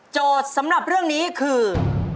โจทย์สำหรับเรื่องนี้คือ